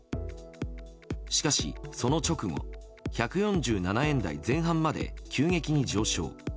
しかし、その直後１４７円台前半まで急激に上昇。